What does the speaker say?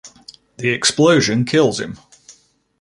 The explosion kills him.